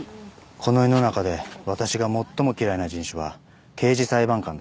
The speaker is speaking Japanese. この世の中で私が最も嫌いな人種は刑事裁判官だ。